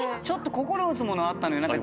ちょっと心打つものあったのよ